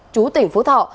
chú tỉnh phố thọ